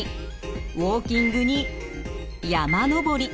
ウォーキングに山登り。